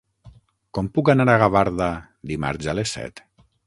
Com puc anar a Gavarda dimarts a les set?